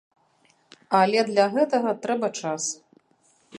Але для гэтага трэба час.